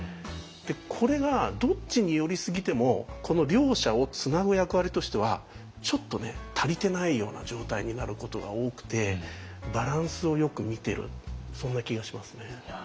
これがどっちに寄りすぎてもこの両者をつなぐ役割としてはちょっとね足りてないような状態になることが多くてバランスをよく見てるそんな気がしますね。